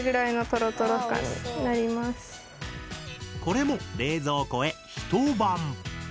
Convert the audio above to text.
これも冷蔵庫へひと晩。